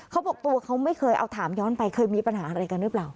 เขาบอกตัวเขาไม่เคยเอาถามย้อนไปเคยมีปัญหาอะไรกันหรือเปล่า